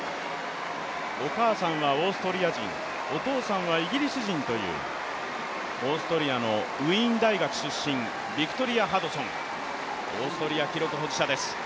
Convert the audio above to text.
お母さんはオーストリア人、お父さんはイギリス人というオーストリアのウィーン大学出身、ビクトリア・ハドソン、オーストリア記録保持者です。